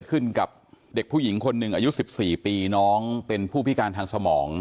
กับเด็กผู้หญิงคนหนึ่งอายุ๑๔ปีน้องเป็นผู้พิการทางสมอง